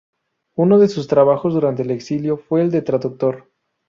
Uno de sus trabajos durante el exilio fue el de traductor.